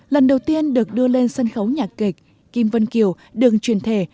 lần đầu tiên được đưa lên sân khấu nhạc kịch kim vân kiều đường truyền thể